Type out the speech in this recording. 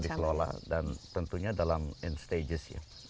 untuk dikelola dan tentunya dalam in stages ya